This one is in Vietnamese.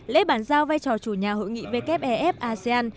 lễ bản giao vai trò chủ nhà hội nghị wff asean